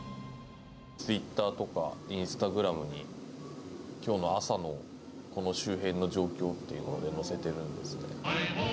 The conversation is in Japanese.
ツイッターとかインスタグラムに、きょうの朝のこの周辺の状況というのを載せてるんですね。